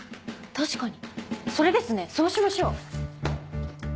確かにそれですねそうしましょう！